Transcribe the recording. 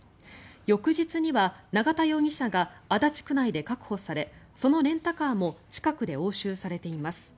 翌日には永田容疑者が足立区内で確保されそのレンタカーも近くで押収されています。